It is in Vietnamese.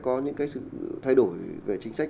qatar sẽ có những cái sự thay đổi về chính sách